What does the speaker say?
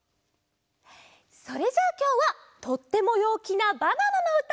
それじゃあきょうはとってもようきなバナナのうた！